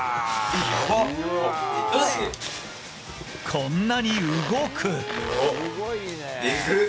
こんなに動く。